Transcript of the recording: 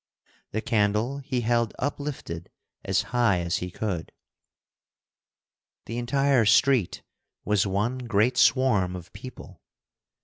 The candle he held uplifted as high as he could. The entire street was one great swarm of people.